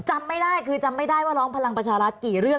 จำไม่ได้คือจำไม่ได้ว่าร้องพลังประชารัฐกี่เรื่อง